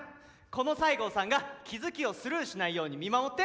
この西郷さんが気付きをスルーしないように見守って。